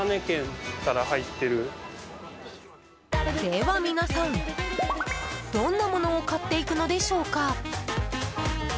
では皆さん、どんなものを買っていくのでしょうか？